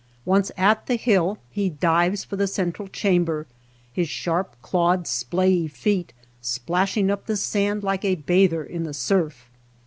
Once at the hill, he dives for the central chamber, his sharp clawed, splayey feet splashing up the sand like a bather in the surf.